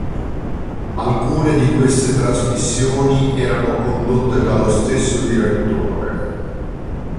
Alcune di queste trasmissioni erano condotte dallo stesso direttore.